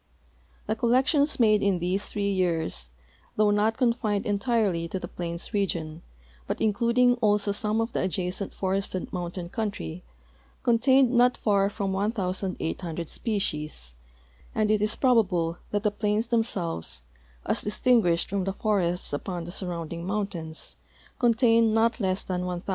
The collections made in these three years, though not confined entirely to the plains region, but including also some of the adjacent forested mountain country, contained not far from 1,800 species, and it is probable that the plains them selves, as distinguished from the forests upon the surrounding mountains, contain not less than 1,000.